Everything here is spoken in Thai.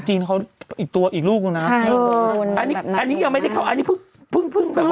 อีกตัวอีกลูกแล้วนะใช่อันนี้ยังไม่ได้เข้าอันนี้เพิ่งเพิ่ง